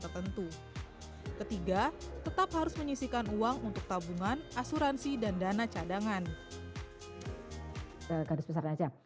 tertentu ketiga tetap harus menyisihkan uang untuk tabungan asuransi dan dana cadangan